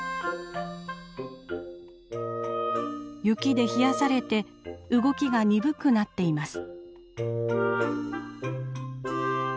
雪で冷やされて動きが鈍くなっています。